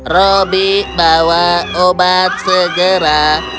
robby bawa obat segera